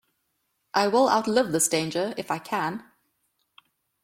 I will outlive this danger, if I can.